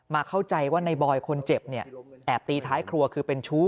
เข้าใจว่าในบอยคนเจ็บเนี่ยแอบตีท้ายครัวคือเป็นชู้